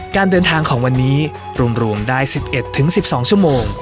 การเดินทางของวันนี้รวมได้๑๑๑๑๒ชั่วโมง